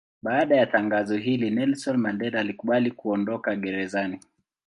Baada ya tangazo hili Nelson Mandela alikubali kuondoka gerezani.